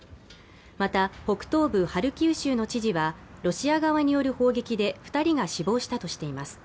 また、北東部ハルキウ州の知事はロシア側による砲撃で２人が死亡したとしています。